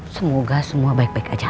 semoga semua baik baik aja